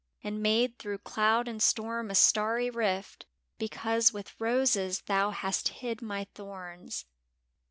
And made through cloud and storm a starry rift — Because with roses thou hast hid my thorns.